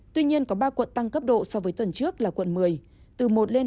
tuy nhiên có ba quận tăng cấp độ so với tuần trước là quận một mươi từ một lên